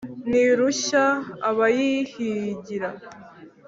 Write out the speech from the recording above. Ntirushya abayihingira,